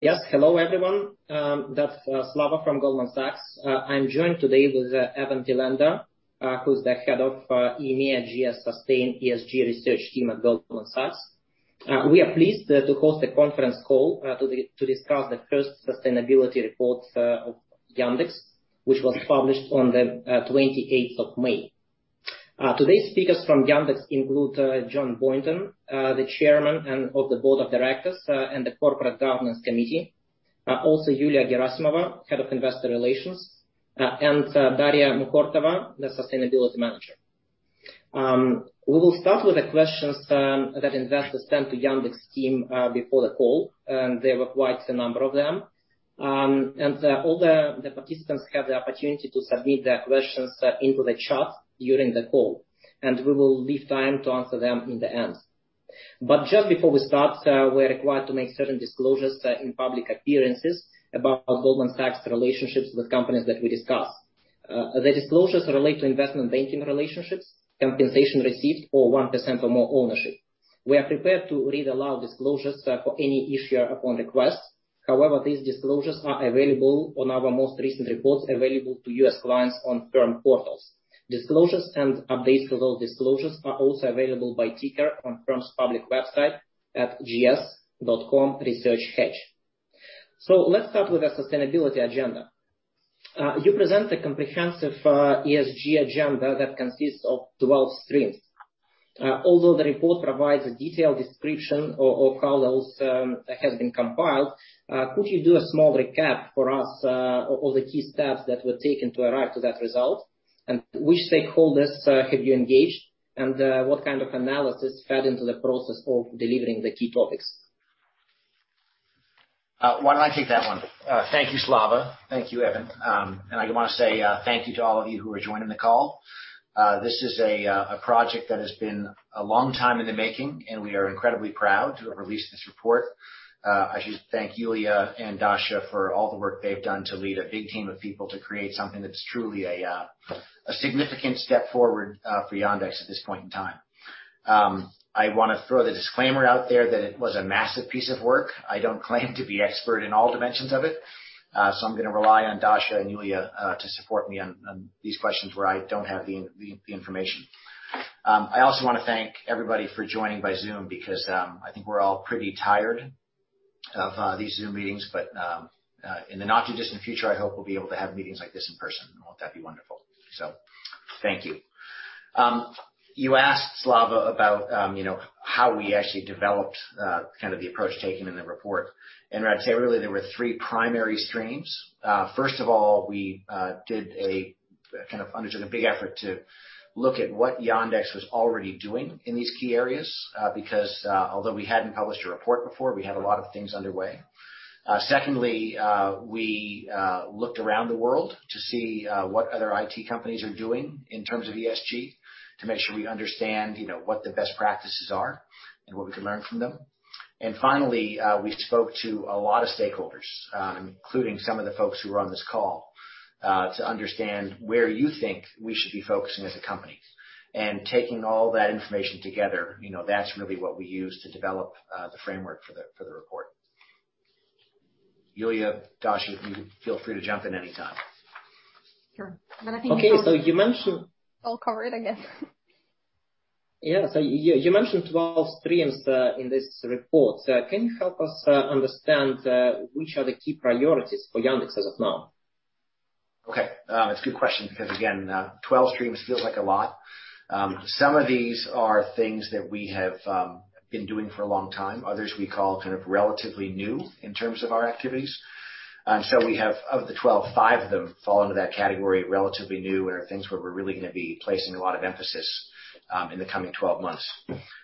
Yes. Hello, everyone. That's Slava from Goldman Sachs. I'm joined today with Evan Tylenda, who's the Head of EMEA and GS Sustained ESG Research Team at Goldman Sachs. We are pleased to host a conference call to discuss the first sustainability report of Yandex, which was published on the 28th of May. Today's speakers from Yandex include John Boynton, the Chairman of the Board of Directors and the Corporate Governance Committee. Also, Yulia Gerasimova, Head of Investor Relations, and Daria Mukhortova, the Sustainability Manager. We will start with the questions that investors sent to Yandex team before the call. There were quite a number of them. All the participants have the opportunity to submit their questions into the chat during the call, and we will leave time to answer them in the end. Just before we start, we are required to make certain disclosures in public appearances about Goldman Sachs' relationships with companies that we discuss. The disclosures relate to investment banking relationships, compensation received, or 1% or more ownership. We are prepared to read aloud disclosures for any issuer upon request. However, these disclosures are available on our most recent reports available to U.S. clients on firm portals. Disclosures and updates to those disclosures are also available by ticker on the firm's public website at gs.com/research/hedge. Let's start with the sustainability agenda. You present a comprehensive ESG agenda that consists of 12 streams. Although the report provides a detailed description of how those have been compiled, could you do a small recap for us of all the key steps that were taken to arrive to that result? Which stakeholders have you engaged, and what kind of analysis fed into the process of delivering the key topics? Why don't I take that one? Thank you, Slava. Thank you, Evan. I want to say thank you to all of you who are joining the call. This is a project that has been a long time in the making, and we are incredibly proud to have released this report. I should thank Yulia and Dasha for all the work they've done to lead a big team of people to create something that's truly a significant step forward for Yandex at this point in time. I want to throw the disclaimer out there that it was a massive piece of work. I don't claim to be expert in all dimensions of it, so I'm going to rely on Dasha and Yulia to support me on these questions where I don't have the information. I also want to thank everybody for joining by Zoom because, I think we're all pretty tired of these Zoom meetings. In the not-too-distant future, I hope we'll be able to have meetings like this in person, and won't that be wonderful? Thank you. You asked, Slava, about how we actually developed the approach taken in the report. I'd say really there were three primary streams. First of all, we undertook a big effort to look at what Yandex was already doing in these key areas because, although we hadn't published a report before, we had a lot of things underway. Secondly, we looked around the world to see what other IT companies are doing in terms of ESG to make sure we understand what the best practices are and what we can learn from them. Finally, we spoke to a lot of stakeholders, including some of the folks who are on this call, to understand where you think we should be focusing as a company. Taking all that information together, that's really what we used to develop the framework for the report. Yulia, Dasha, you can feel free to jump in anytime. Okay. You mentioned. All covered, I guess. Yeah. You mentioned 12 streams in this report. Can you help us understand which are the key priorities for Yandex as of now? Okay. It's a good question because, again, 12 streams feels like a lot. Some of these are things that we have been doing for a long time. Others we call relatively new in terms of our activities. We have, of the 12, five of them fall into that category, relatively new and are things where we're really going to be placing a lot of emphasis in the coming 12 months.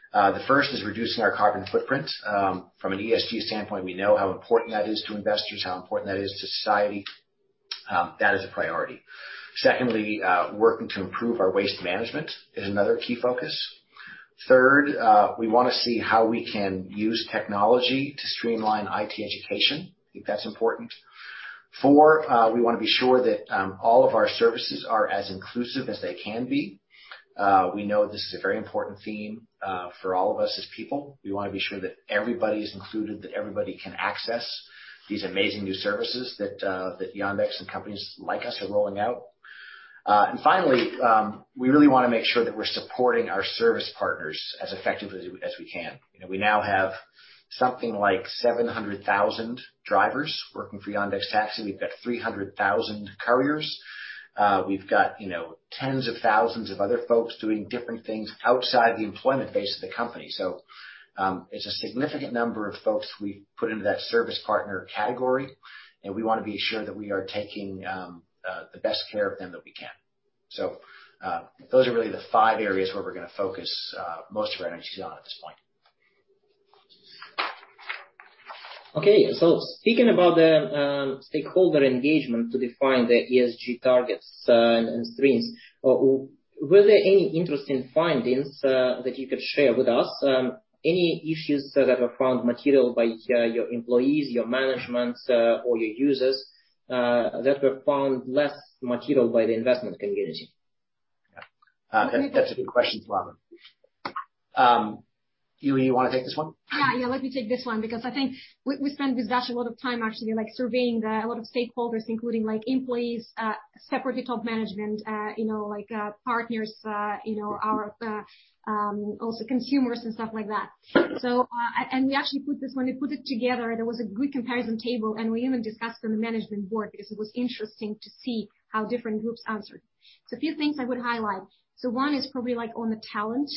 The first is reducing our carbon footprint. From an ESG standpoint, we know how important that is to investors, how important that is to society. That is a priority. Secondly, working to improve our waste management is another key focus. Third, we want to see how we can use technology to streamline IT education. I think that's important. Four, we want to be sure that all of our services are as inclusive as they can be. We know this is a very important theme for all of us as people. We want to be sure that everybody is included, that everybody can access these amazing new services that Yandex and companies like us are rolling out. Finally, we really want to make sure that we're supporting our service partners as effectively as we can. We now have something like 700,000 drivers working for Yandex Taxi. We've got 300,000 couriers. We've got tens of thousands of other folks doing different things outside the employment base of the company. It's a significant number of folks we put into that service partner category, and we want to be sure that we are taking the best care of them that we can. Those are really the five areas where we're going to focus most of our energy on at this point. Okay. Speaking about the stakeholder engagement to define the ESG targets and streams, were there any interesting findings that you could share with us? Any issues that were found material by your employees, your management, or your users that were found less material by the investment community? I think that's a good question. Yulia, you want to take this one? Let me take this one because I think we spend actually a lot of time actually surveying a lot of stakeholders, including employees, separate top management, partners, our also consumers and stuff like that. We actually put this one together. There was a good comparison table, and we even discussed with the Management Board because it was interesting to see how different groups answered. A few things I would highlight. One is probably on the talent,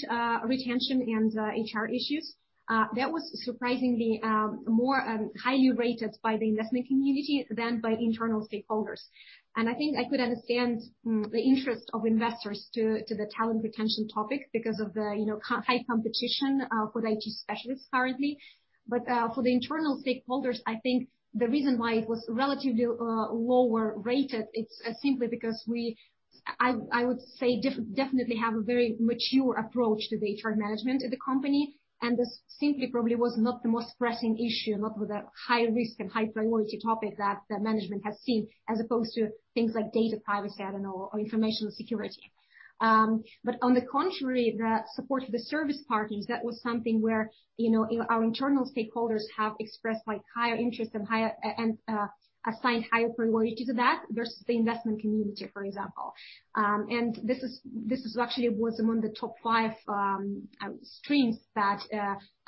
retention, and HR issues. That was surprisingly more highly rated by the investment community than by internal stakeholders. I think I could understand the interest of investors to the talent retention topic because of the high competition for IT specialists currently. For the internal stakeholders, I think the reason why it was relatively lower rated is simply because we, I would say, definitely have a very mature approach to HR management at the company, and this simply probably was not the most pressing issue, not with a high-risk and high-priority topic that the management has seen, as opposed to things like data privacy or information security. On the contrary, the support for the service parties, that was something where our internal stakeholders have expressed higher interest and assigned higher priority to that versus the investment community, for example. This actually was among the top five streams that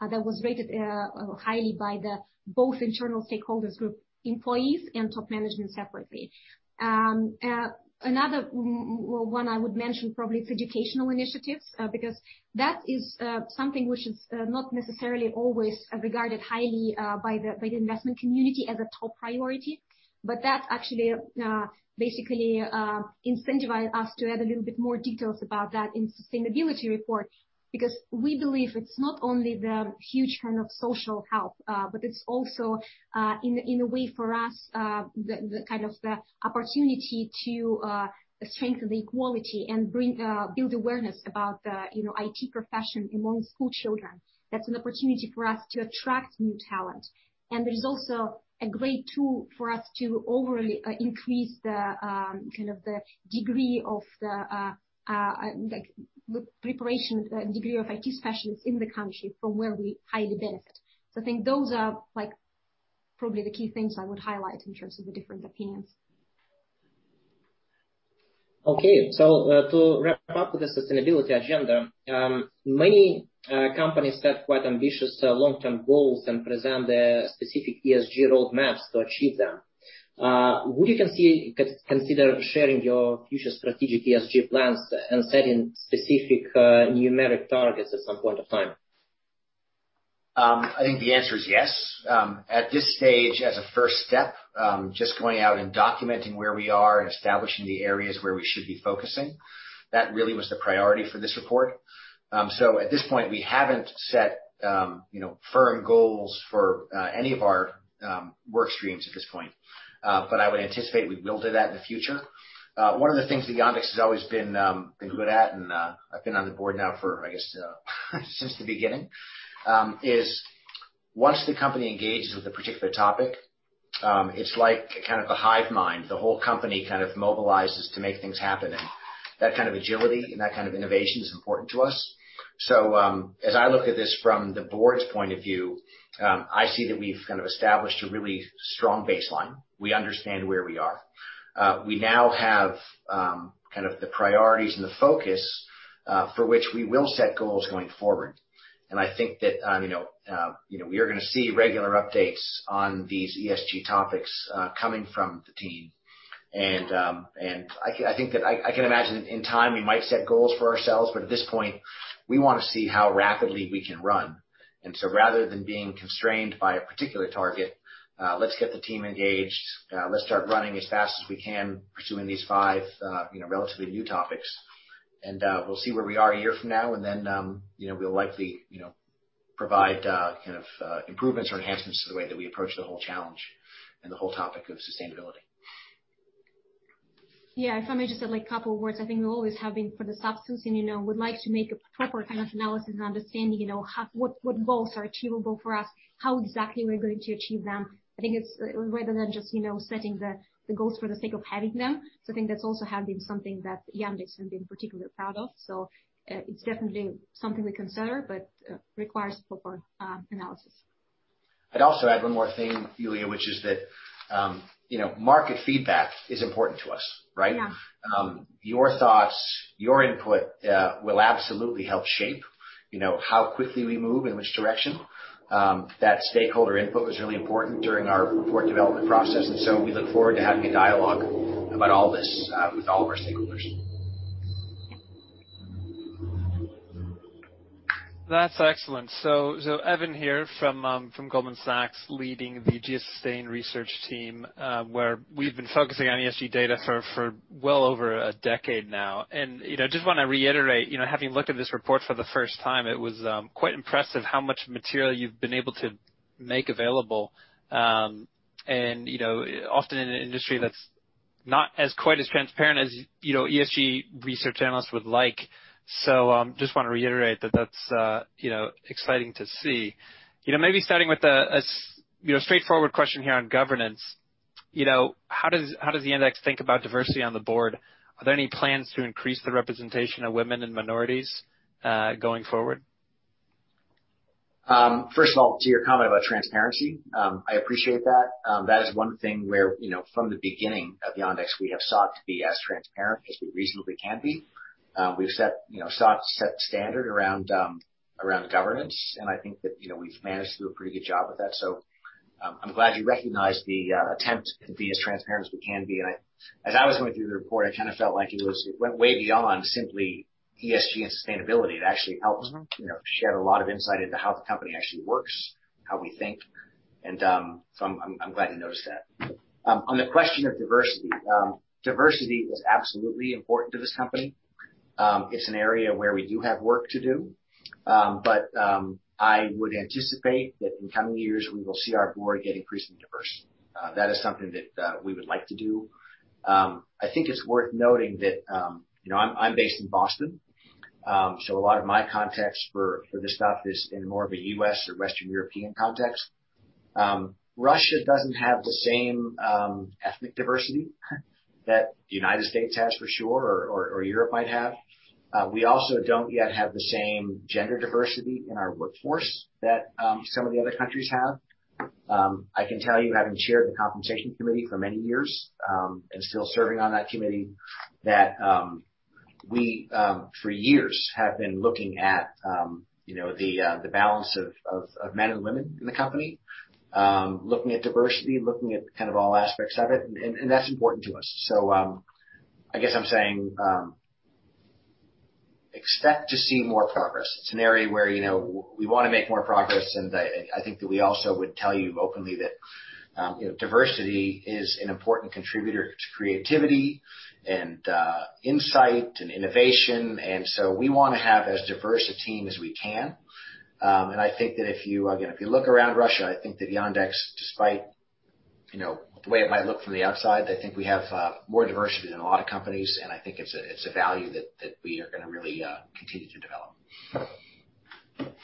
was rated highly by both internal stakeholders group employees and top management separately. Another one I would mention probably is educational initiatives, because that is something which is not necessarily always regarded highly by the investment community as a top priority. That's actually basically incentivized us to add a little bit more details about that in sustainability report, because we believe it's not only the huge kind of social help, but it's also, in a way for us, the kind of the opportunity to strengthen equality and build awareness about IT profession among school children. That's an opportunity for us to attract new talent, and it is also a great tool for us to overly increase the degree of the preparation, the degree of IT specialists in the country from where we hire the best. I think those are probably the key things I would highlight in terms of the different opinions. To wrap up with the sustainability agenda, many companies have quite ambitious long-term goals and present their specific ESG roadmaps to achieve them. Would you consider sharing your future strategic ESG plans and setting specific numeric targets at some point in time? I think the answer is yes. At this stage, as a first step, just going out and documenting where we are and establishing the areas where we should be focusing, that really was the priority for this report. At this point, we haven't set firm goals for any of our work streams at this point. I would anticipate we will do that in the future. One of the things that Yandex has always been good at, and I've been on the board now for, I guess, since the beginning, is once the company engages with a particular topic, it's like a kind of a hive mind. The whole company kind of mobilizes to make things happen, and that kind of agility and that kind of innovation is important to us. As I look at this from the board's point of view, I see that we've kind of established a really strong baseline. We understand where we are. We now have kind of the priorities and the focus for which we will set goals going forward. I think that we are going to see regular updates on these ESG topics coming from the team. I think that I can imagine in time we might set goals for ourselves, but at this point, we want to see how rapidly we can run. Rather than being constrained by a particular target, let's get the team engaged. Let's start running as fast as we can pursuing these five relatively new topics, and we'll see where we are a year from now, and then we'll likely provide kind of improvements or enhancements to the way that we approach the whole challenge and the whole topic of sustainability. Yeah, if I may just add a couple words. I think we're always having, for the sake of sustainability, would like to make a proper kind of analysis and understanding what goals are achievable for us, how exactly are we going to achieve them. I think it's rather than just setting the goals for the sake of having them. I think that's also something that Yandex has been particularly proud of. It's definitely something we consider but requires proper analysis. I'd also add one more thing, Yulia, which is that market feedback is important to us, right? Yeah. Your thoughts, your input will absolutely help shape how quickly we move in which direction. That stakeholder input was really important during our report development process, and so we look forward to having a dialogue about all this with all of our stakeholders. That's excellent. Evan here from Goldman Sachs, leading the GS SUSTAIN research team, where we've been focusing on ESG data for well over a decade now. Just want to reiterate, having a look at this report for the first time, it was quite impressive how much material you've been able to make available. Often in an industry that's not as quite as transparent as ESG research analysts would like. Just want to reiterate that that's exciting to see. Maybe starting with a straightforward question here on governance. How does Yandex think about diversity on the Board? Are there any plans to increase the representation of women and minorities going forward? To your comment about transparency, I appreciate that. That is one thing where, from the beginning of Yandex, we have sought to be as transparent as we reasonably can be. We've sought to set standard around governance, and I think that we've managed to do a pretty good job of that. I'm glad you recognize the attempt to be as transparent as we can be. As I was going through the report, I felt like it went way beyond simply ESG and sustainability. It actually helped share a lot of insight into how the company actually works, how we think. I'm glad to notice that. On the question of diversity. Diversity is absolutely important to this company. It's an area where we do have work to do. I would anticipate that in coming years, we will see our board get increasingly diverse. That is something that we would like to do. I think it's worth noting that I'm based in Boston, so a lot of my context for this stuff is in more of a U.S. or Western European context. Russia doesn't have the same ethnic diversity that the U.S. has for sure, or Europe might have. We also don't yet have the same gender diversity in our workforce that some of the other countries have. I can tell you having chaired the compensation committee for many years, and still serving on that committee, that we for years have been looking at the balance of men and women in the company, looking at diversity, looking at all aspects of it, and that's important to us. I guess I'm saying, expect to see more progress. It's an area where we want to make more progress, and I think that we also would tell you openly that diversity is an important contributor to creativity and insight and innovation. We want to have as diverse a team as we can. I think that if you look around Russia, I think that Yandex, despite the way it might look from the outside, I think we have more diversity than a lot of companies, and I think it's a value that we are going to really continue to develop.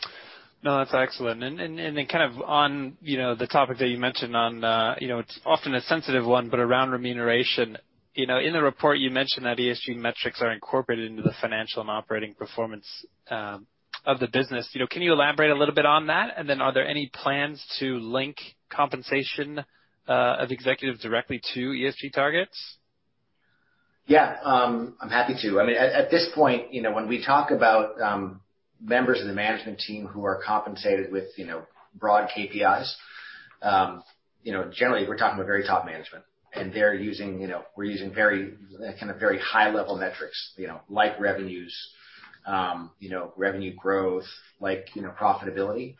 No, that's excellent. On the topic that you mentioned on, it's often a sensitive one, but around remuneration. In the report you mentioned that ESG metrics are incorporated into the financial and operating performance of the business. Can you elaborate a little bit on that? Are there any plans to link compensation of executives directly to ESG targets? Yeah, I'm happy to. At this point, when we talk about members of the management team who are compensated with broad KPIs, generally we're talking about very top management. We're using very high-level metrics, like revenues, revenue growth, profitability.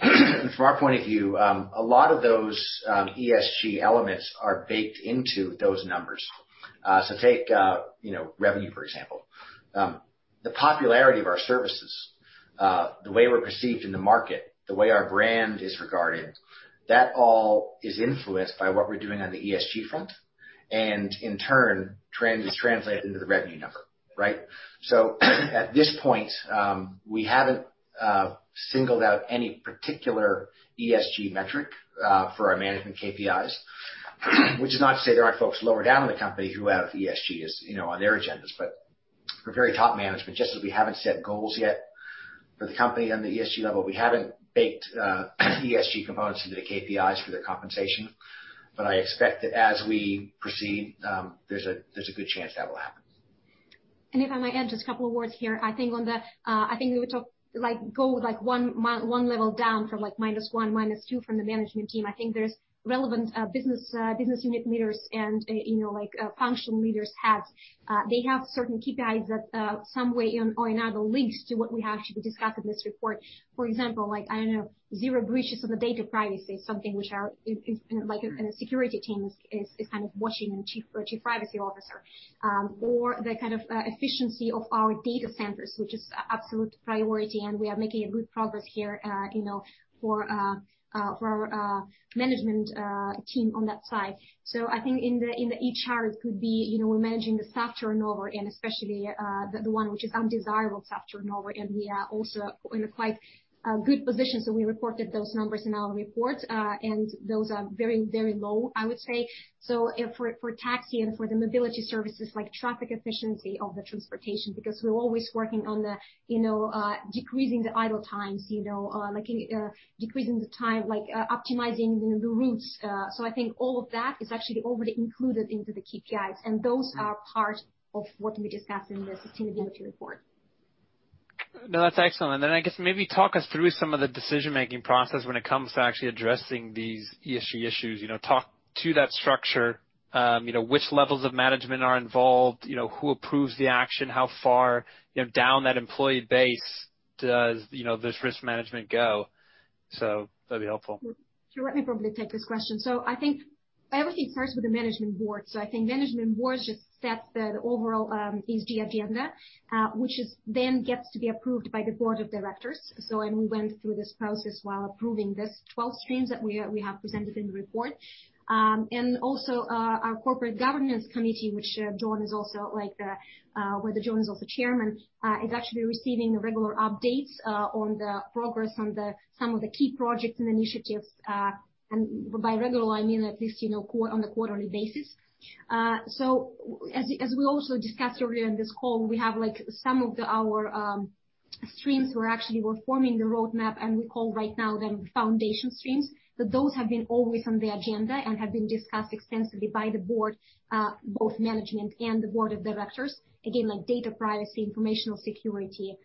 From our point of view, a lot of those ESG elements are baked into those numbers. Take revenue, for example. The popularity of our services, the way we're perceived in the market, the way our brand is regarded, that all is influenced by what we're doing on the ESG front, and in turn, is translated into the revenue number. Right? At this point, we haven't singled out any particular ESG metric for our management KPIs, which is not to say there aren't folks lower down in the company who have ESG on their agendas. For very top management, just that we haven't set goals yet for the company on the ESG level. We haven't baked ESG components into their KPIs for their compensation. I expect that as we proceed, there's a good chance that will happen. If I may add just a couple words here. I think when we go one level down from minus one, minus two from the management team, I think there is relevant business unit leaders and functional leaders. They have certain KPIs that some way or another links to what we actually discussed in this report. For example, zero breaches of the data privacy is something which our security team is watching, and Chief Privacy Officer. The efficiency of our data centers, which is absolute priority, and we are making a good progress here for our management team on that side. I think in the HR could be managing the staff turnover and especially the one which is undesirable staff turnover. We are also in a quite good position, so we reported those numbers in our reports, and those are very, very low, I would say. For taxi and for the mobility services, like traffic efficiency of the transportation, because we're always working on decreasing the idle times, decreasing the time, optimizing the routes. I think all of that is actually already included into the KPIs, and those are part of what we discussed in this ESG report. No, that's excellent. I guess maybe talk us through some of the decision-making process when it comes to actually addressing these ESG issues. Talk to that structure. Which levels of management are involved? Who approves the action? How far down that employee base does this risk management go? That'd be helpful. Sure. I can probably take this question. I think I would say first with the management board. I think management board should set the overall ESG agenda, which then gets to be approved by the board of directors. We went through this process while approving these 12 streams that we have presented in the report. Also, our Corporate Governance Committee, where John is also the Chairman, is actually receiving regular updates on the progress on some of the key projects and initiatives. By regular, I mean at least on a quarterly basis. As we also discussed earlier in this call, we have some of our streams we're actually forming the roadmap, and we call right now the foundation streams. Those have been always on the agenda and have been discussed extensively by the board, both management and the board of directors. Again, like data privacy, informational security,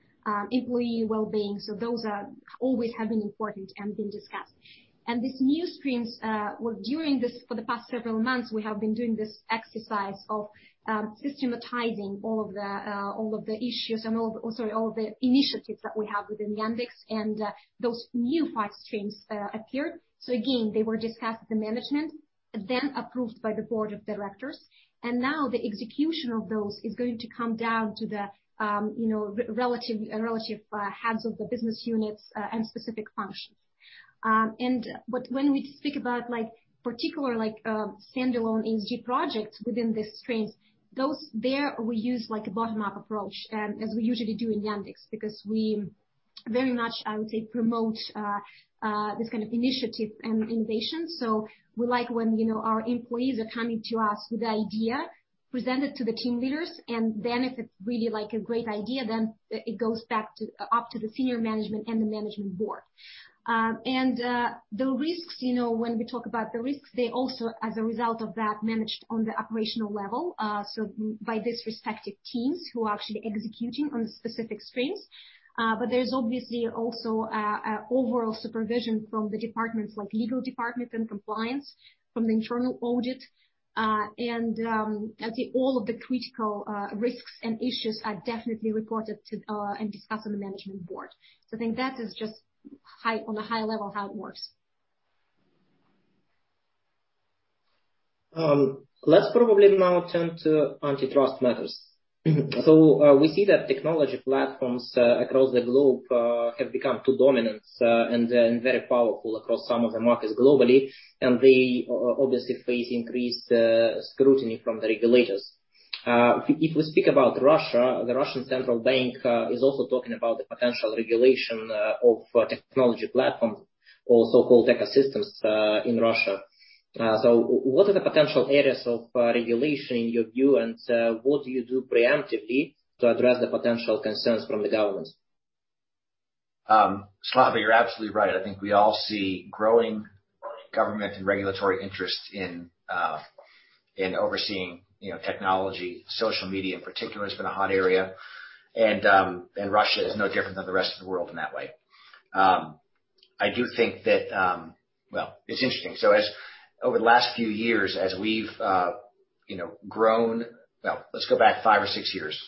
employee well-being. Those always have been important and been discussed. These new streams, for the past several months, we have been doing this exercise of systematizing all of the initiatives that we have within Yandex. Those new five streams appeared. Again, they were discussed with management, then approved by the board of directors. Now the execution of those is going to come down to the relative hands of the business units and specific functions. When we speak about particular standalone ESG projects within the streams, there we use a bottom-up approach, as we usually do in Yandex, because we very much, I would say, promote this kind of initiative and innovation. We like when our employees are coming to us with the idea, present it to the team leaders, then if it's really a great idea, then it goes back up to the senior management and the management board. The risks, when we talk about the risks, they also, as a result of that, managed on the operational level, so by these respective teams who are actually executing on specific streams. There's obviously also overall supervision from the departments like legal department and compliance, from the internal audit. I think all of the critical risks and issues are definitely reported to and discussed with the management board. I think that is just on a high level how it works. Let's probably now turn to antitrust matters. We see that technology platforms across the globe have become too dominant and very powerful across some of the markets globally, and they obviously face increased scrutiny from the regulators. If we speak about Russia, the Russian Central Bank is also talking about the potential regulation of technology platforms, or so-called ecosystems in Russia. What are the potential areas of regulation, in your view, and what do you do preemptively to address the potential concerns from the government? Slava, you're absolutely right. I think we all see growing government and regulatory interest in overseeing technology. Social media in particular has been a hot area. Russia is no different than the rest of the world in that way. I do think that Well, it's interesting. As over the last few years, as we've grown Well, let's go back five or six years.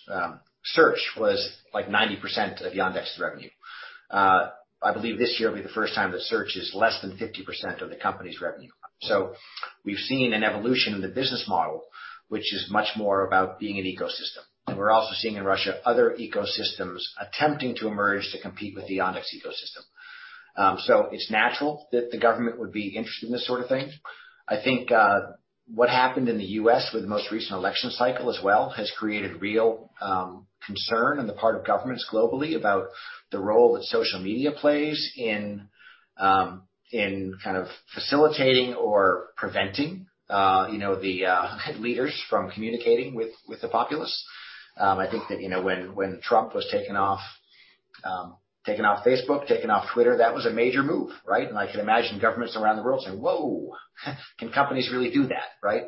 Search was 90% of Yandex's revenue. I believe this year will be the first time that search is less than 50% of the company's revenue. We've seen an evolution in the business model, which is much more about being an ecosystem. We're also seeing in Russia other ecosystems attempting to emerge to compete with the Yandex ecosystem. It's natural that the government would be interested in this sort of thing. I think what happened in the U.S. with the most recent election cycle as well has created real concern on the part of governments globally about the role that social media plays in facilitating or preventing the leaders from communicating with the populace. I think that when Trump was taken off Facebook, taken off Twitter, that was a major move, right? I can imagine governments around the world saying, "Whoa. Can companies really do that?" Right?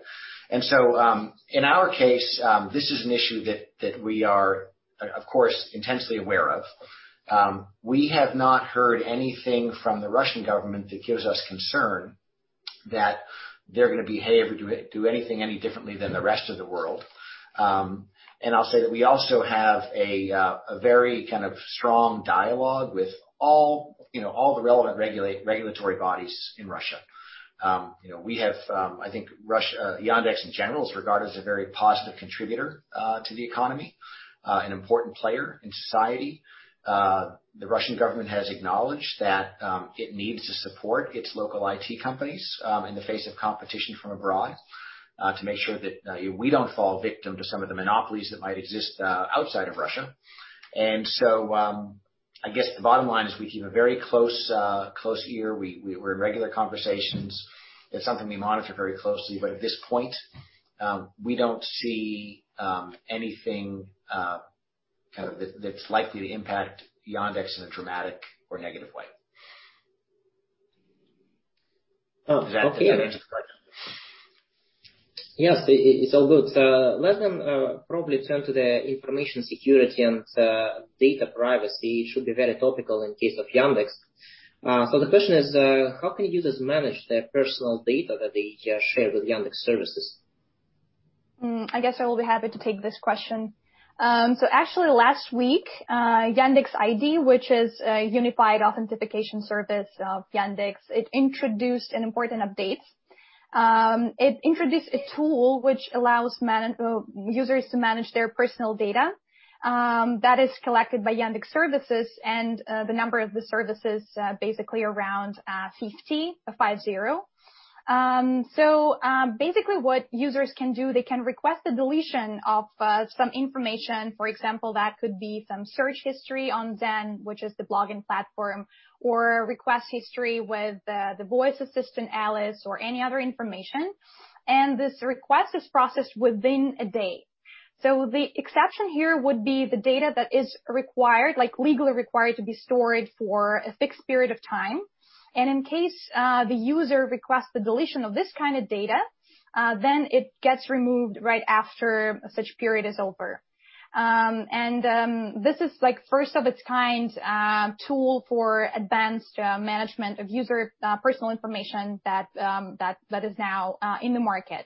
In our case, this is an issue that we are, of course, intensely aware of. We have not heard anything from the Russian government that gives us concern that they're going to behave or do anything any differently than the rest of the world. I'll say that we also have a very strong dialogue with all the relevant regulatory bodies in Russia. I think Yandex, in general, is regarded as a very positive contributor to the economy, an important player in society. The Russian government has acknowledged that it needs to support its local IT companies in the face of competition from abroad to make sure that we don't fall victim to some of the monopolies that might exist outside of Russia. I guess the bottom line is we keep a very close ear. We're in regular conversations. It's something we monitor very closely, but at this point, we don't see anything that's likely to impact Yandex in a dramatic or negative way. Okay. Yes. Look, let me probably turn to the information security and data privacy. It should be very topical in case of Yandex. The question is, how can users manage their personal data that they share with Yandex services? I guess I'll be happy to take this question. Actually, last week, Yandex ID, which is a unified authentication service of Yandex, introduced an important update It introduced a tool which allows users to manage their personal data that is collected by Yandex services. The number of the services are basically around 50. Basically what users can do, they can request the deletion of some information. For example, that could be some search history on Zen, which is the blogging platform, or request history with the voice assistant, Alice, or any other information. This request is processed within a day. The exception here would be the data that is required, legally required, to be stored for a fixed period of time. In case the user requests the deletion of this kind of data, then it gets removed right after such period is over. This is first of its kind tool for advanced management of user personal information that is now in the market.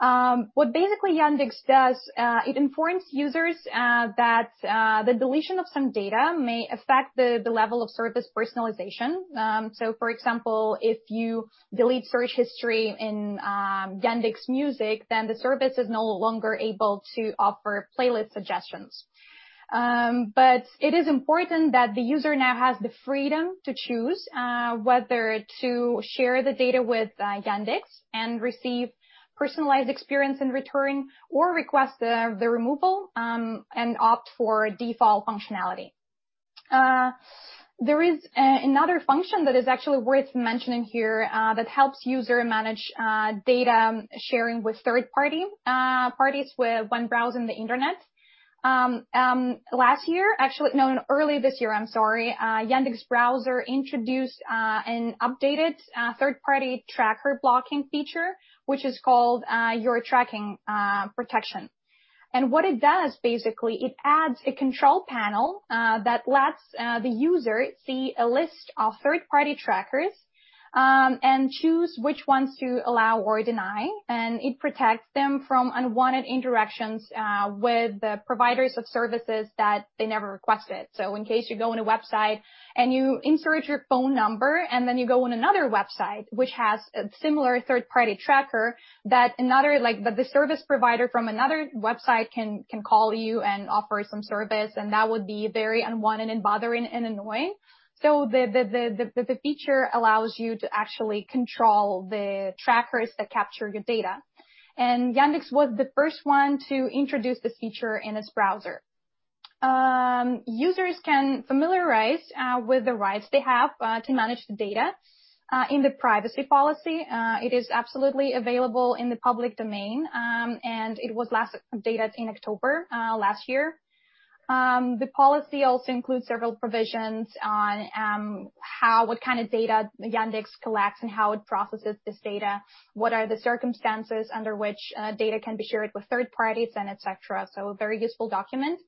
What basically Yandex does, it informs users that the deletion of some data may affect the level of service personalization. For example, if you delete search history in Yandex Music, then the service is no longer able to offer playlist suggestions. It is important that the user now has the freedom to choose whether to share the data with Yandex and receive personalized experience in return, or request the removal and opt for default functionality. There is another function that is actually worth mentioning here that helps user manage data sharing with third parties when browsing the internet. Earlier this year, Yandex Browser introduced an updated third-party tracker blocking feature, which is called Your Tracking Protection. What it does, basically, it adds a control panel that lets the user see a list of third-party trackers, and choose which ones to allow or deny. It protects them from unwanted interactions with the providers of services that they never requested. In case you go on a website and you insert your phone number, and then you go on another website which has a similar third-party tracker, the service provider from another website can call you and offer some service, and that would be very unwanted and bothering and annoying. The feature allows you to actually control the trackers that capture your data. Yandex was the first one to introduce this feature in its browser. Users can familiarize with the rights they have to manage the data in the privacy policy. It is absolutely available in the public domain, and it was last updated in October last year. The policy also includes several provisions on what kind of data Yandex collects and how it processes this data, what are the circumstances under which data can be shared with third parties, and et cetera. A very useful document.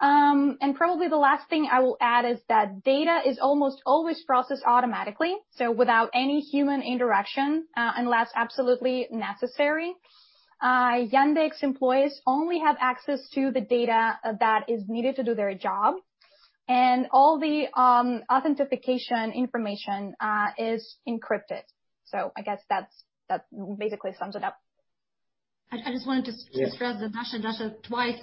Probably the last thing I will add is that data is almost always processed automatically, so without any human interaction, unless absolutely necessary. Yandex employees only have access to the data that is needed to do their job. All the authentication information is encrypted. I guess that basically sums it up. I just wanted to stress that Dasha twice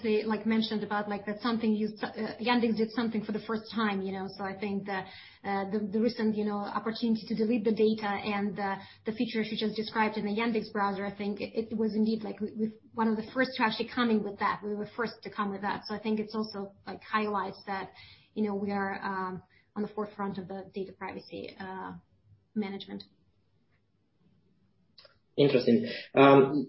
mentioned about that Yandex did something for the first time. I think the recent opportunity to delete the data and the feature she just described in the Yandex Browser, I think it was indeed one of the first actually coming with that. We were first to come with that. I think it also highlights that we are on the forefront of data privacy management. Interesting.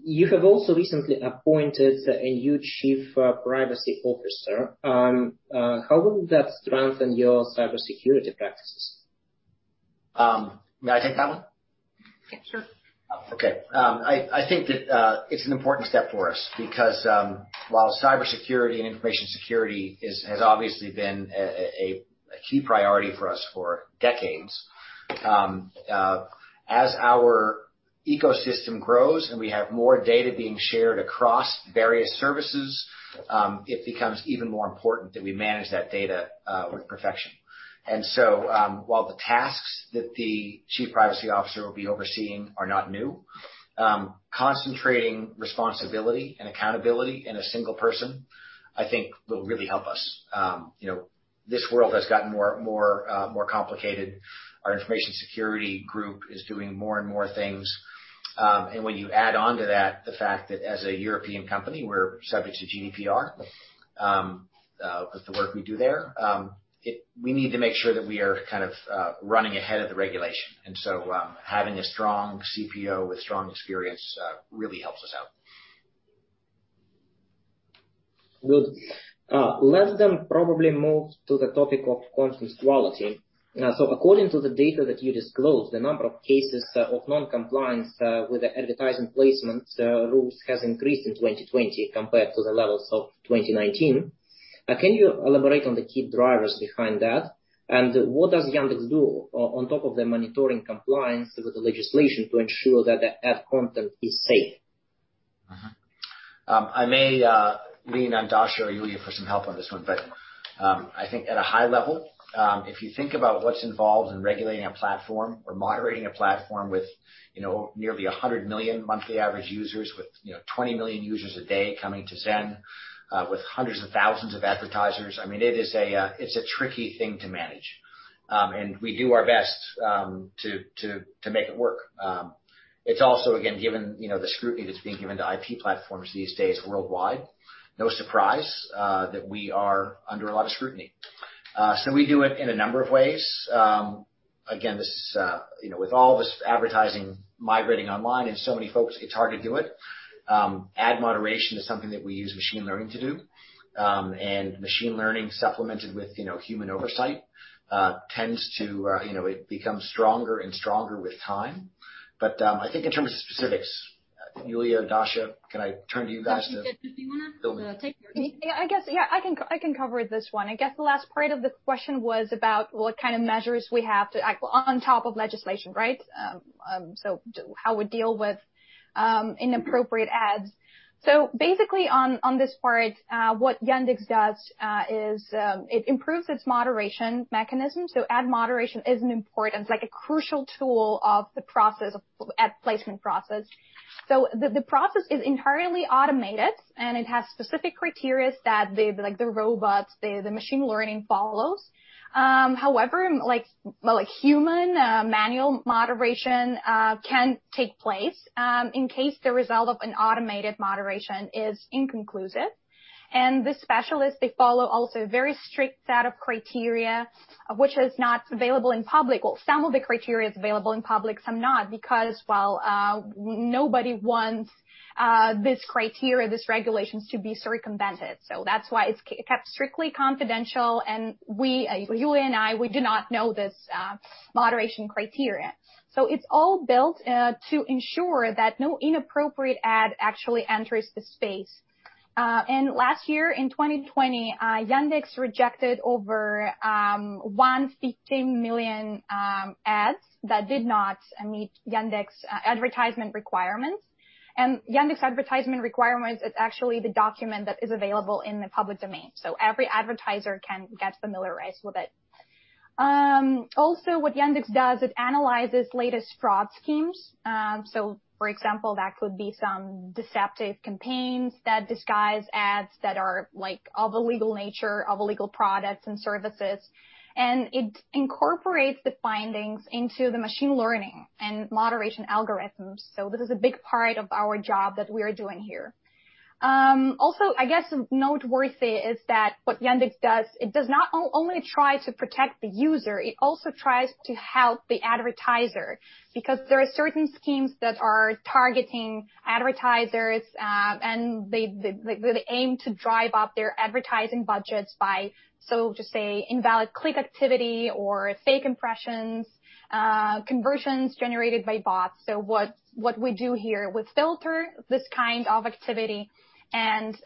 You have also recently appointed a new Chief Privacy Officer. How will that strengthen your cybersecurity practices? May I take that one? Sure. Okay. I think that it's an important step for us because while cybersecurity and information security has obviously been a key priority for us for decades, as our ecosystem grows and we have more data being shared across various services, it becomes even more important that we manage that data with perfection. While the tasks that the Chief Privacy Officer will be overseeing are not new, concentrating responsibility and accountability in a single person, I think, will really help us. This world has gotten more complicated. Our information security group is doing more and more things. When you add on to that the fact that as a European company, we're subject to GDPR with the work we do there, we need to make sure that we are running ahead of the regulation. Having a strong CPO with strong experience really helps us out. Good. Let's probably move to the topic of content quality. According to the data that you disclosed, the number of cases of non-compliance with the advertising placement rules has increased in 2020 compared to the levels of 2019. Can you elaborate on the key drivers behind that? What does Yandex do on top of the monitoring compliance with the legislation to ensure that the ad content is safe? I may lean on Dasha or Yulia for some help on this one, but I think at a high level, if you think about what's involved in regulating a platform or moderating a platform with nearly 100 million monthly average users with 20 million users a day coming to Zen, with hundreds of thousands of advertisers, it is a tricky thing to manage. We do our best to make it work. It's also, again, given the scrutiny that's being given to IT platforms these days worldwide, no surprise that we are under a lot of scrutiny. We do it in a number of ways. Again, with all this advertising migrating online and so many folks, it's hard to do it. Ad moderation is something that we use machine learning to do. Machine learning supplemented with human oversight tends to become stronger and stronger with time. I think in terms of specifics, Yulia, Dasha, can I turn to you guys for this? Yeah, I guess, I can cover this one. I guess the last part of the question was about what kind of measures we have to act on top of legislation, right? How we deal with inappropriate ads. Basically on this part, what Yandex does is it improves its moderation mechanism. Ad moderation is an important, it's like a crucial tool of the ad placement process. The process is inherently automated, and it has specific criteria that the robots, the machine learning follows. However, human manual moderation can take place in case the result of an automated moderation is inconclusive. The specialists, they follow also a very strict set of criteria, which is not available in public. Well, some of the criteria is available in public, some not, because, well, nobody wants this criteria, these regulations to be circumvented. That's why it's kept strictly confidential, and we, Yulia and I, we do not know this moderation criteria. It's all built to ensure that no inappropriate ad actually enters the space. Last year, in 2020, Yandex rejected over 1.16 million ads that did not meet Yandex advertisement requirements. Yandex advertisement requirements is actually the document that is available in the public domain. Every advertiser can get familiarized with it. Also, what Yandex does, it analyzes latest fraud schemes. For example, that could be some deceptive campaigns that disguise ads that are of illegal nature, of illegal products and services. It incorporates the findings into the machine learning and moderation algorithms. This is a big part of our job that we are doing here. I guess noteworthy is that what Yandex does, it does not only try to protect the user, it also tries to help the advertiser. There are certain schemes that are targeting advertisers, and they aim to drive up their advertising budgets by, so to say, invalid click activity or fake impressions, conversions generated by bots. What we do here, we filter this kind of activity and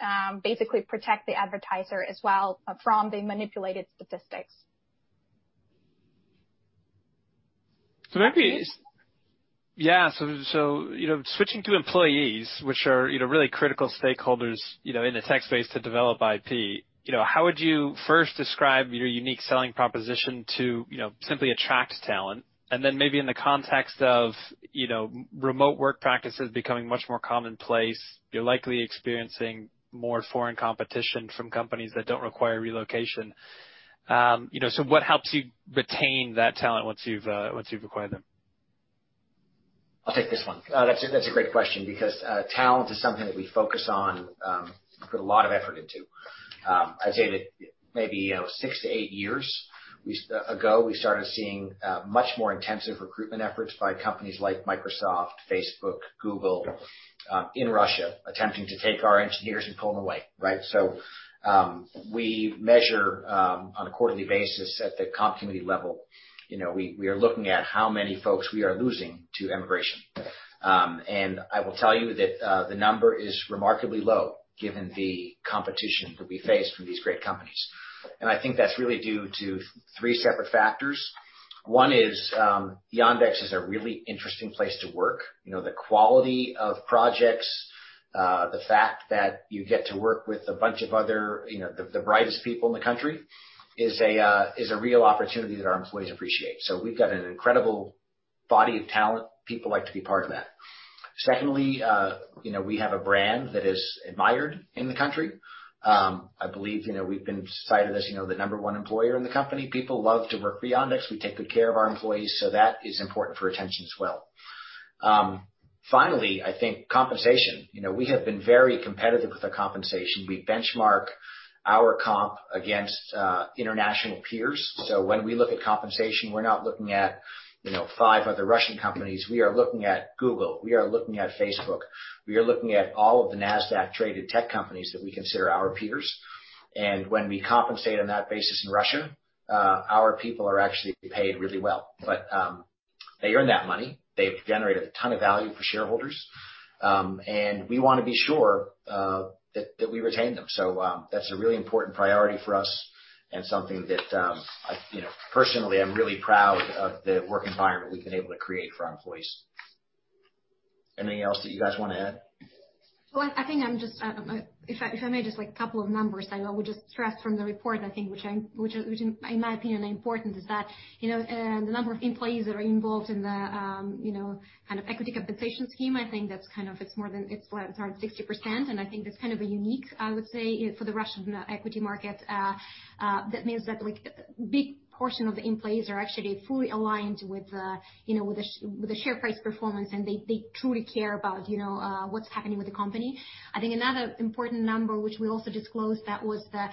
basically protect the advertiser as well from the manipulated statistics. Nebius. Switching to employees, which are really critical stakeholders in the tech space to develop IP, how would you first describe your unique selling proposition to simply attract talent? Then maybe in the context of remote work practices becoming much more commonplace, you're likely experiencing more foreign competition from companies that don't require relocation. What helps you retain that talent once you've acquired them? I'll take this one. That's a great question because talent is something that we focus on, we put a lot of effort into. I'd say that maybe six to eight years ago, we started seeing much more intensive recruitment efforts by companies like Microsoft, Facebook, Google in Russia, attempting to take our engineers and pull them away, right? We measure on a quarterly basis at the continuity level. We are looking at how many folks we are losing to emigration. I will tell you that the number is remarkably low given the competition that we face from these great companies. I think that's really due to three separate factors. One is, Yandex is a really interesting place to work. The quality of projects, the fact that you get to work with a bunch of other, the brightest people in the country is a real opportunity that our employees appreciate. We've got an incredible body of talent. People like to be part of that. Secondly, we have a brand that is admired in the country. I believe we've been cited as the number one employer in the country. People love to work for Yandex. We take good care of our employees, that is important for retention as well. Finally, I think compensation. We have been very competitive with the compensation. We benchmark our comp against international peers. When we look at compensation, we're not looking at five other Russian companies. We are looking at Google. We are looking at Facebook. We are looking at all of the NASDAQ-traded tech companies that we consider our peers. When we compensate on that basis in Russia, our people are actually paid really well. They earn that money. They've generated a ton of value for shareholders. We want to be sure that we retain them. That's a really important priority for us and something that personally, I'm really proud of the work environment we've been able to create for our employees. Anything else that you guys want to add? Well, I think if I may, just two numbers I will just stress from the report, which in my opinion the importance is that the number of employees that are involved in the equity participation scheme, I think that's more than 60%. I think that's kind of unique, I would say, for the Russian equity market. That means that a big portion of employees are actually fully aligned with the share price performance, and they truly care about what's happening with the company. I think another important number, which we also disclosed, that was the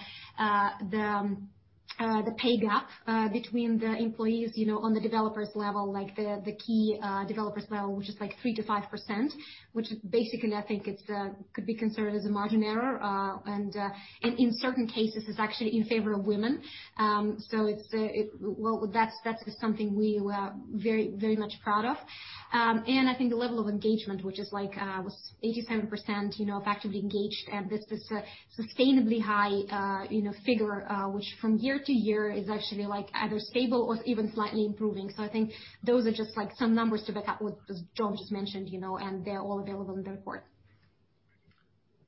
pay gap between the employees on the developers level, like the key developers level, which is 3%-5%, which basically I think could be considered as a margin error and in certain cases it's actually in favor of women. That's just something we are very much proud of. I think the level of engagement, which is 87% effectively engaged. This is a sustainably high figure, which from year to year is actually either stable or even slightly improving. I think those are just some numbers that John just mentioned, and they're all very important.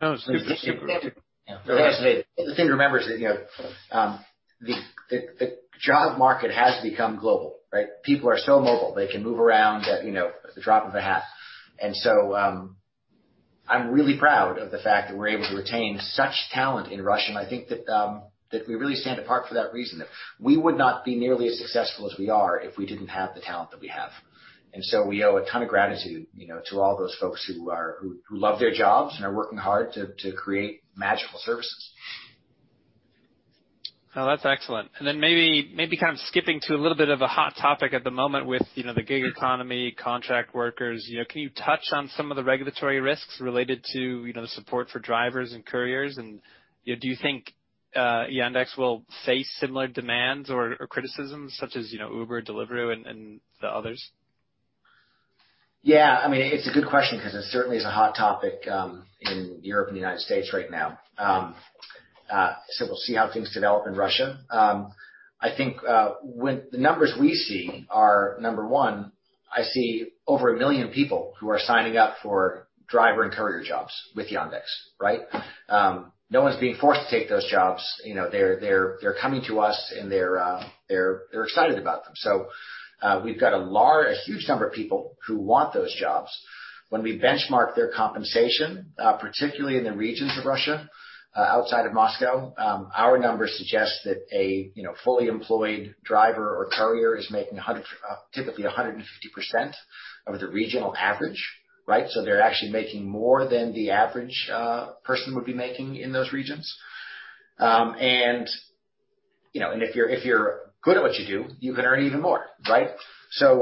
No, it's super helpful. The thing to remember is that the job market has become global, right? People are so mobile, they can move around at the drop of a hat. I'm really proud of the fact that we're able to retain such talent in Russia, and I think that we really stand apart for that reason. We would not be nearly as successful as we are if we didn't have the talent that we have. We owe a ton of gratitude to all those folks who love their jobs and are working hard to create magical services. No, that's excellent. Then maybe kind of skipping to a little bit of a hot topic at the moment with the gig economy, contract workers. Can you touch on some of the regulatory risks related to support for drivers and couriers? Do you think Yandex will face similar demands or criticisms such as Uber, Deliveroo, and the others? Yeah, it's a good question because it certainly is a hot topic in Europe and the U.S. right now. We'll see how things develop in Russia. I think the numbers we see are, number one, I see over one million people who are signing up for driver and courier jobs with Yandex, right? No one's being forced to take those jobs. They're coming to us, and they're excited about them. We've got a huge number of people who want those jobs. When we benchmark their compensation, particularly in the regions of Russia outside of Moscow, our numbers suggest that a fully employed driver or courier is making typically 150% of the regional average, right? They're actually making more than the average person would be making in those regions. If you're good at what you do, you can earn even more, right? I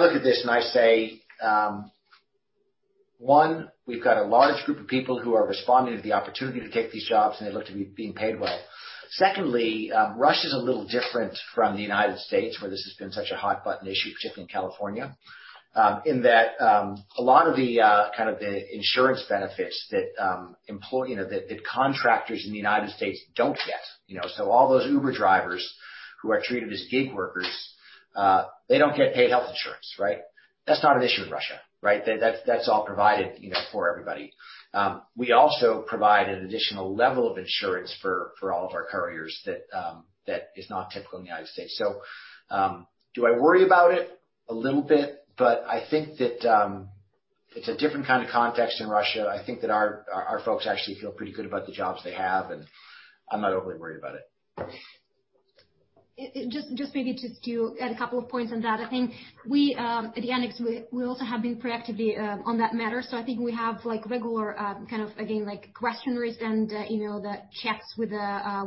look at this and I say, one, we've got a large group of people who are responding to the opportunity to take these jobs and they like what they're being paid well. Secondly, Russia's a little different from the U.S., where this has been such a hot button issue, particularly California, in that a lot of the insurance benefits that contractors in the U.S. don't get. All those Uber drivers who are treated as gig workers, they don't get paid health insurance, right? That's not an issue in Russia, right? That's all provided for everybody. We also provide an additional level of insurance for all of our couriers that is not typical in the U.S. Do I worry about it? A little bit, but I think that it's a different kind of context in Russia. I think that our folks actually feel pretty good about the jobs they have, and I'm not overly worried about it. Just maybe to add a couple of points on that. I think we at Yandex, we also have been proactive on that matter. I think we have regular kind of questionnaires and checks with our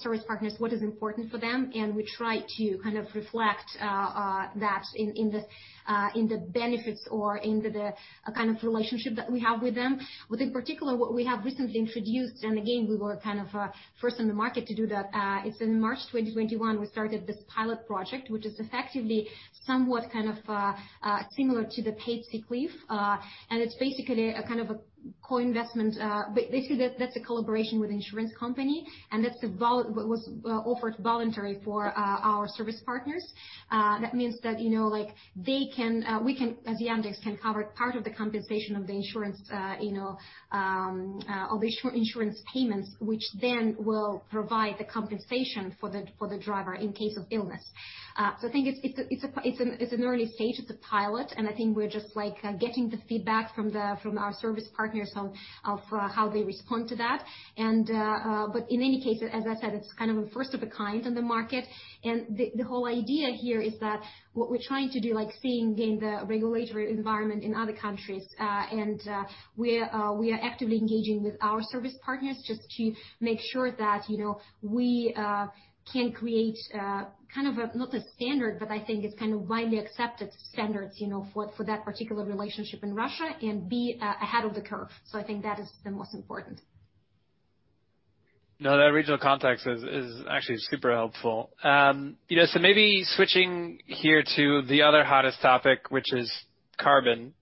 service partners what is important for them, and we try to kind of reflect that in the benefits or in the kind of relationship that we have with them. In particular, what we have recently introduced, and again, we were kind of first in the market to do that, is in March 2021, we started this pilot project, which is effectively somewhat kind of similar to the paid sick leave. It's basically a kind of a co-investment. Basically, that's a collaboration with insurance company, and that was offered voluntary for our service partners. That means that we at Yandex can cover part of the compensation of the short insurance payments, which then will provide the compensation for the driver in case of illness. I think it's in early stages of pilot, and I think we're just getting the feedback from our service partners on how they respond to that. In any case, as I said, it's kind of a first of a kind in the market. The whole idea here is that what we're trying to do, like seeing the regulatory environment in other countries, and we are actively engaging with our service partners just to make sure that we can create kind of not a standard, but I think it's kind of widely accepted standards for that particular relationship in Russia and be ahead of the curve. I think that is the most important. That regional context is actually super helpful. Maybe switching here to the other hottest topic, which is carbon.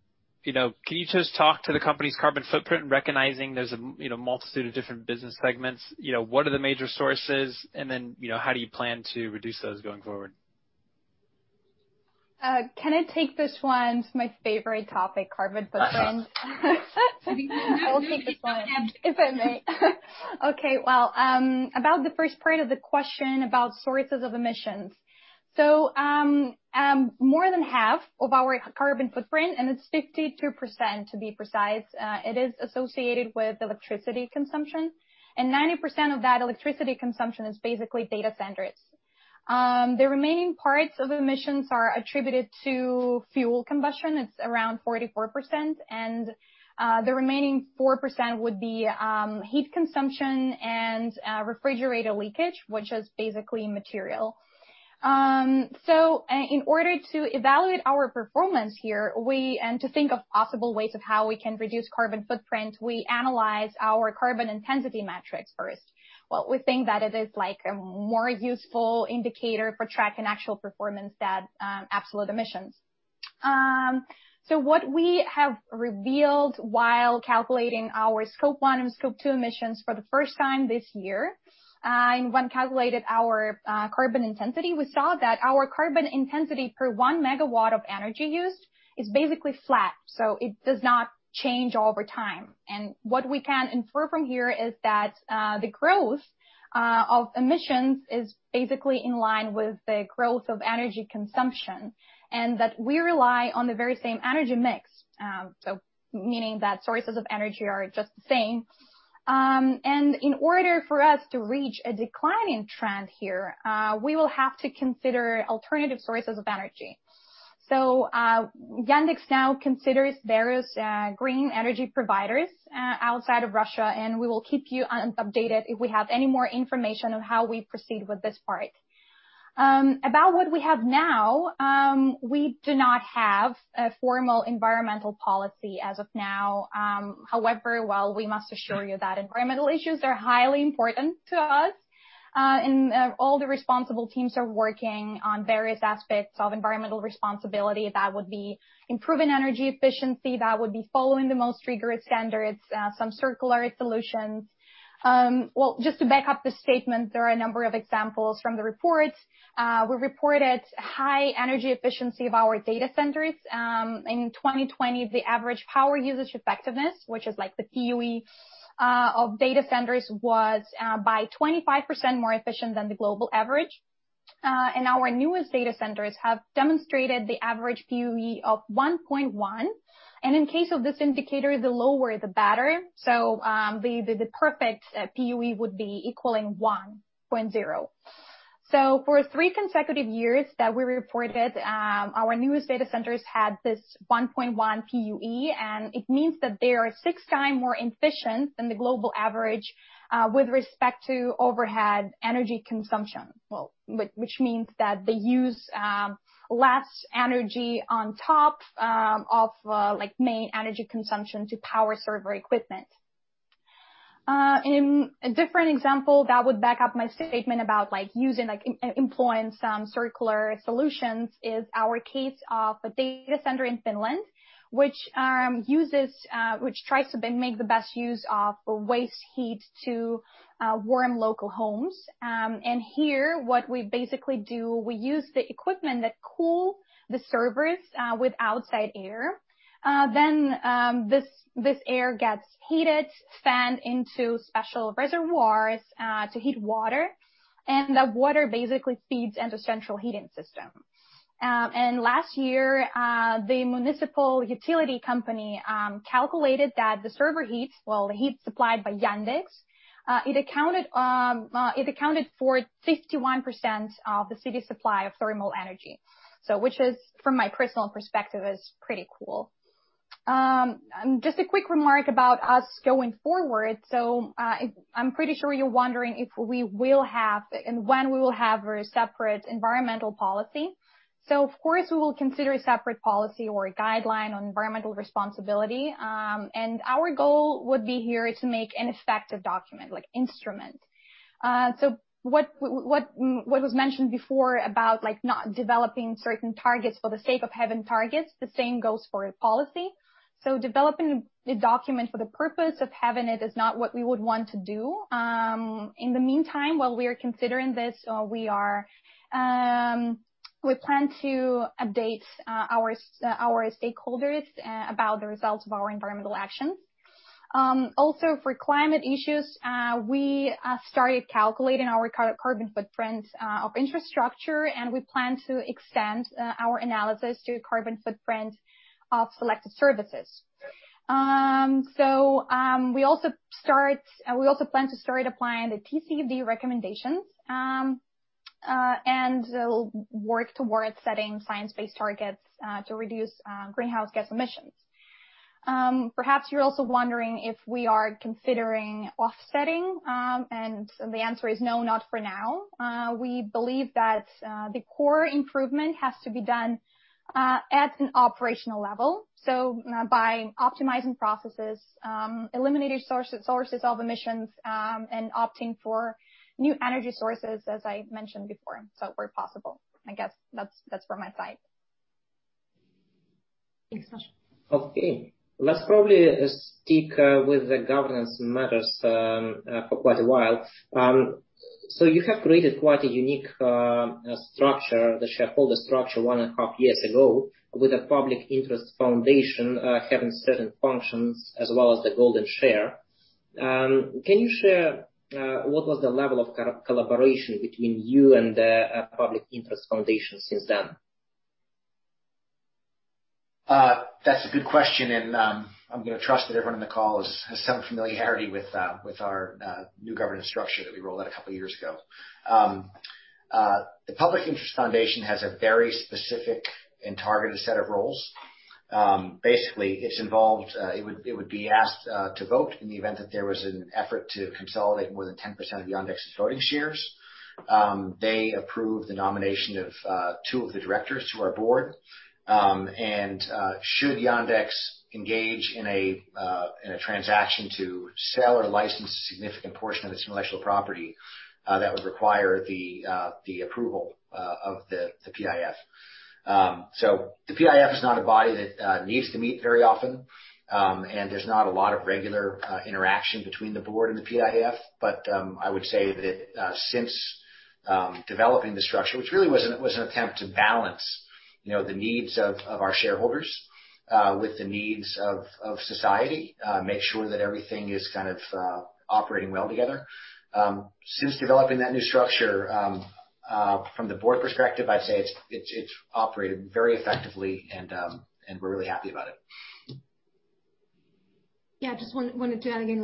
Can you just talk to the company's carbon footprint, recognizing there's a multitude of different business segments? What are the major sources, and then, how do you plan to reduce those going forward? Can I take this one? It's my favorite topic, carbon footprint. I will take this one, if I may. Okay, well, about the first part of the question about sources of emissions. More than half of our carbon footprint, and it's 52% to be precise, it is associated with electricity consumption, and 90% of that electricity consumption is basically data centers. The remaining parts of emissions are attributed to fuel combustion. It's around 44%, and the remaining 4% would be heat consumption and refrigerant leakage, which is basically material. In order to evaluate our performance here and to think of possible ways of how we can reduce carbon footprint, we analyze our carbon intensity metrics first. What we think that it is like a more useful indicator for tracking actual performance than absolute emissions. What we have revealed while calculating our Scope 1 and Scope 2 emissions for the first time this year, when calculating our carbon intensity, we saw that our carbon intensity per 1 MW of energy used is basically flat, so it does not change over time. What we can infer from here is that the growth of emissions is basically in line with the growth of energy consumption, and that we rely on the very same energy mix, so meaning that sources of energy are just the same. In order for us to reach a declining trend here, we will have to consider alternative sources of energy. Yandex now considers various green energy providers outside of Russia, and we will keep you updated if we have any more information on how we proceed with this part. About what we have now, we do not have a formal environmental policy as of now. However, while we must assure you that environmental issues are highly important to us, and all the responsible teams are working on various aspects of environmental responsibility, that would be improving energy efficiency, that would be following the most rigorous standards, some circular solutions. Well, just to back up the statement, there are a number of examples from the reports. We reported high energy efficiency of our data centers. In 2020, the average power usage effectiveness, which is like the PUE of data centers, was by 25% more efficient than the global average. Our newest data centers have demonstrated the average PUE of 1.1, and in case of this indicator, the lower the better. The perfect PUE would be equaling 1.0. For three consecutive years that we reported, our newest data centers had this 1.1 PUE, and it means that they are six times more efficient than the global average, with respect to overhead energy consumption. Well, which means that they use less energy on top of main energy consumption to power server equipment. In a different example that would back up my statement about employing circular solutions is our case of a data center in Finland, which tries to make the best use of waste heat to warm local homes. Here what we basically do, we use the equipment that cool the servers with outside air. This air gets heated, sent into special reservoirs to heat water, and that water basically feeds into central heating system. Last year, the municipal utility company calculated that the server heat, well, heat supplied by Yandex, it accounted for 61% of the city supply of thermal energy. Which is, from my personal perspective, is pretty cool. Just a quick remark about us going forward. I am pretty sure you are wondering if we will have and when we will have a separate environmental policy. Of course, we will consider a separate policy or a guideline on environmental responsibility. Our goal would be here to make an effective document, like instrument. What was mentioned before about not developing certain targets for the sake of having targets, the same goes for a policy. Developing a document for the purpose of having it is not what we would want to do. In the meantime, while we are considering this, we plan to update our stakeholders about the results of our environmental actions. For climate issues, we started calculating our carbon footprint of infrastructure, and we plan to extend our analysis to carbon footprint of selected services. We also plan to start applying the TCFD recommendations, and work towards setting science-based targets to reduce greenhouse gas emissions. Perhaps you're also wondering if we are considering offsetting, the answer is no, not for now. We believe that the core improvement has to be done at an operational level. By optimizing processes, eliminating sources of emissions, and opting for new energy sources, as I mentioned before, where possible. I guess that's from my side. Okay. Let's probably stick with the governance matters for quite a while. You have created quite a unique structure, the shareholder structure one and a half years ago with a Public Interest Foundation, having certain functions as well as the golden share. Can you share what was the level of collaboration between you and the Public Interest Foundation since then? That's a good question, and I'm going to trust that everyone on the call has some familiarity with our new governance structure that we rolled out a couple of years ago. The Public Interest Foundation has a very specific and targeted set of roles. Basically, it would be asked to vote in the event that there was an effort to consolidate more than 10% of Yandex voting shares. They approve the nomination of two of the directors to our board. Should Yandex engage in a transaction to sell or license a significant portion of its intellectual property, that would require the approval of the PIF. The PIF is not a body that needs to meet very often, and there's not a lot of regular interaction between the board and the PIF. I would say that since developing the structure, which really was an attempt to balance the needs of our shareholders with the needs of society, make sure that everything is operating well together. Since developing that new structure, from the board perspective, I'd say it's operated very effectively and we're really happy about it. Yeah. Just wanted to add in,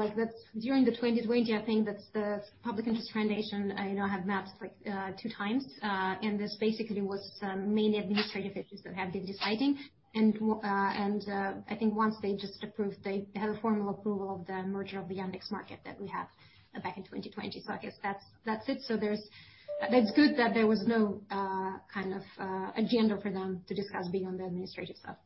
during the 2020 IPO, that's the Public Interest Foundation, I know, have met 2x. This basically was the main administrative business that had been deciding. I think once they just approved, they had a formal approval of the merger of the Yandex.Market that we had back in 2020. I guess that's it. It's good that there was no agenda for them to discuss beyond the administrative stuff.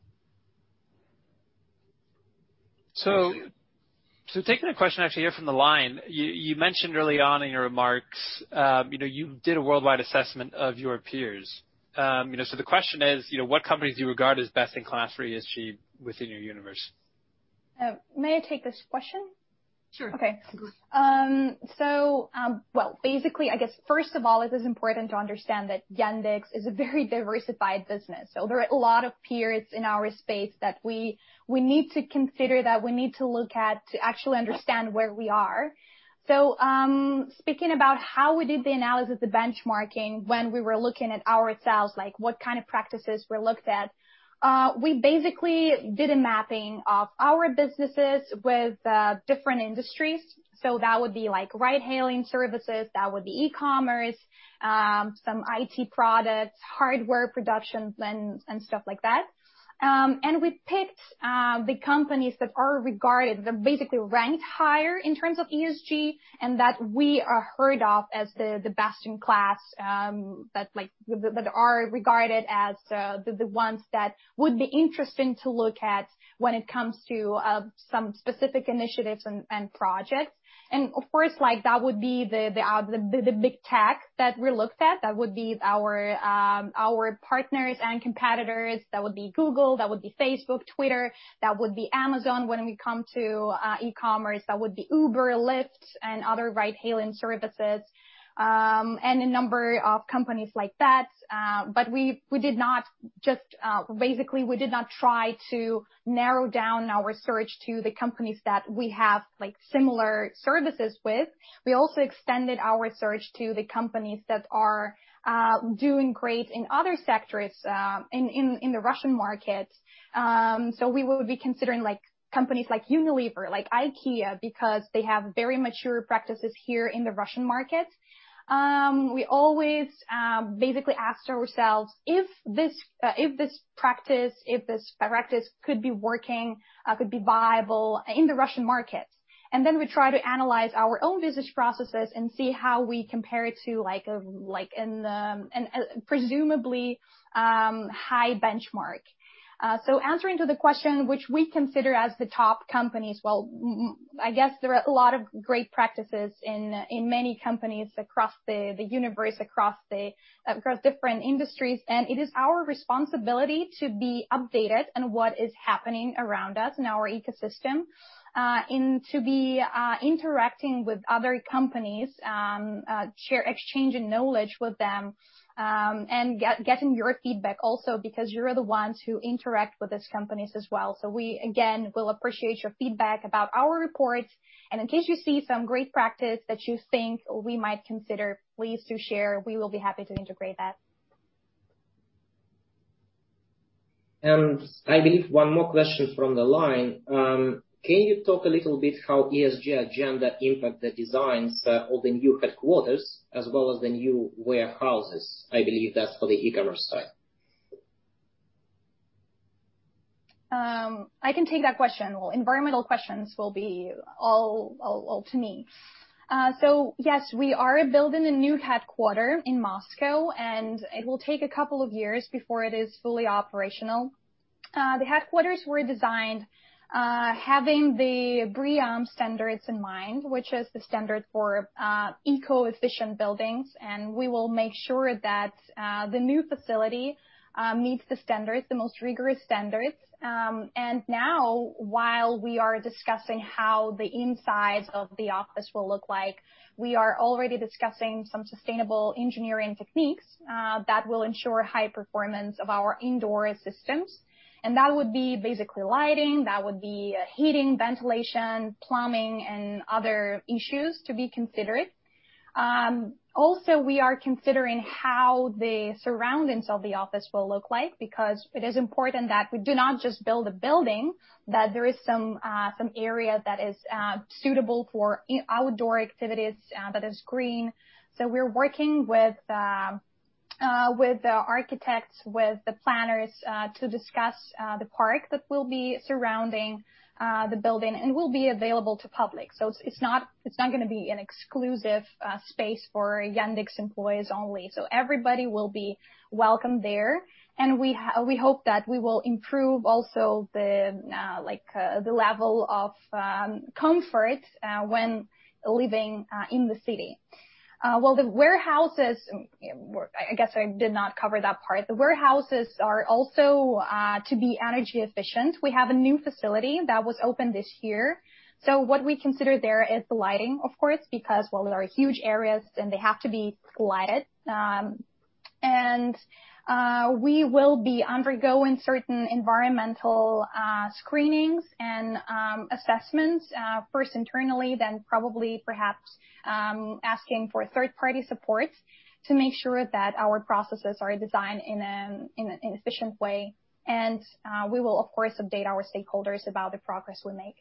Taking a question actually from the line. You mentioned early on in your remarks, you did a worldwide assessment of your peers. The question is, what companies do you regard as best in class for ESG within your universe? May I take this question? Sure. Okay. Well, basically, I guess first of all, it is important to understand that Yandex is a very diversified business. There are a lot of peers in our space that we need to consider, that we need to look at to actually understand where we are. Speaking about how we did the analysis, the benchmarking when we were looking at ourselves, like what kind of practices were looked at. We basically did a mapping of our businesses with different industries. That would be like ride-hailing services, that would be e-commerce, some IT products, hardware productions, and stuff like that. We picked the companies that are regarded, that basically ranked higher in terms of ESG, and that we are heard of as the best in class, that are regarded as the ones that would be interesting to look at when it comes to some specific initiatives and projects. Of course, that would be the big tech that we looked at. That would be our partners and competitors. That would be Google, that would be Facebook, Twitter, that would be Amazon when we come to e-commerce. That would be Uber, Lyft, and other ride-hailing services, and a number of companies like that. Basically, we did not try to narrow down our search to the companies that we have similar services with. We also extended our search to the companies that are doing great in other sectors in the Russian market. We would be considering companies like Unilever, like IKEA, because they have very mature practices here in the Russian market. We always basically asked ourselves if this practice could be working, could be viable in the Russian market. Then we try to analyze our own business processes and see how we compare to a presumably high benchmark. Answering to the question, which we consider as the top companies? Well, I guess there are a lot of great practices in many companies across the universe, across different industries. It is our responsibility to be updated on what is happening around us in our ecosystem, and to be interacting with other companies, share, exchanging knowledge with them, and getting your feedback also because you are the ones who interact with these companies as well. We, again, will appreciate your feedback about our reports. In case you see some great practice that you think we might consider, please do share. We will be happy to integrate that. I believe one more question from the line. Can you talk a little bit how ESG agenda impact the designs of the new headquarters as well as the new warehouses? I believe that's for the e-commerce side. I can take that question. Well, environmental questions will be all to me. Yes, we are building a new headquarters in Moscow, and it will take two years before it is fully operational. The headquarters were designed having the BREEAM standards in mind, which is the standard for eco-efficient buildings. We will make sure that the new facility meets the standards, the most rigorous standards. Now while we are discussing how the inside of the office will look like, we are already discussing some sustainable engineering techniques that will ensure high performance of our indoor systems. That would be basically lighting, that would be heating, ventilation, plumbing, and other issues to be considered. We are considering how the surroundings of the office will look like, because it is important that we do not just build a building, that there is some area that is suitable for outdoor activities, that is green. We are working with architects, with the planners, to discuss the park that will be surrounding the building and will be available to public. It is not going to be an exclusive space for Yandex employees only. Everybody will be welcome there, and we hope that we will improve also the level of comfort when living in the city. Well, the warehouses, I guess I did not cover that part. The warehouses are also to be energy efficient. We have a new facility that was opened this year. What we consider there is lighting, of course, because, well, they are huge areas and they have to be lighted. We will be undergoing certain environmental screenings and assessments, first internally, then probably perhaps asking for third-party support to make sure that our processes are designed in an efficient way. We will, of course, update our stakeholders about the progress we make.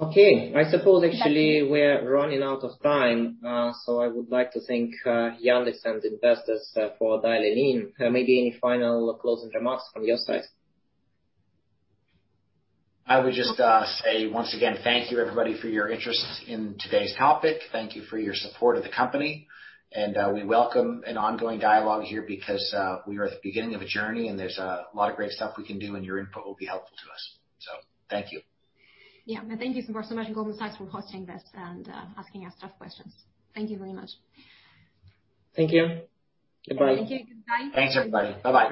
I suppose actually we're running out of time, so I would like to thank Yandex and investors for dialing in. Maybe final closing remarks from your side? I would just say once again, thank you everybody for your interest in today's topic. Thank you for your support of the company, and we welcome an ongoing dialogue here because we are at the beginning of a journey, and there's a lot of great stuff we can do, and your input will be helpful to us. Thank you. Yeah. Thank you so much, Goldman Sachs, for hosting this and asking us tough questions. Thank you very much. Thank you. Goodbye. Thank you. Goodbye. Thanks, everybody. Bye-bye.